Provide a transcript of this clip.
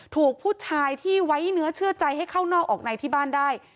ถูกผู้ชายที่ไว้เนื้อเชื่อใจให้เข้านอกออกในที่บ้านได้